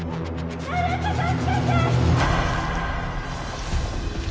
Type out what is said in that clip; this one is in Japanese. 誰か助けて！